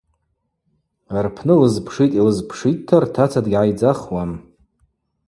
Рпны лызпшитӏ-йлызпшитӏта – ртаца дгьгӏайдзахуам.